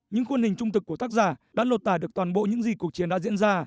những khuôn hình trung thực của tác giả đã lột tải được toàn bộ những gì cuộc chiến đã diễn ra